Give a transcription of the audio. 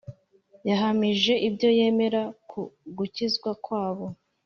Yahamije ibyo yemera ku gukizwa kwabo,